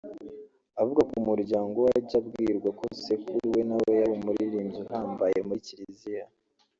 Avuga ko mu muryango we ajya abwirwa ko sekuru we nawe yari umuririmbyi uhambaye mu Kiliziya